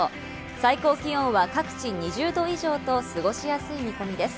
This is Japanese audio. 最高気温は各地２０度以上と過ごしやすい見込みです。